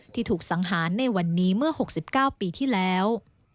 ถูกสังหารในวันนี้เมื่อ๖๙ปีที่แล้ว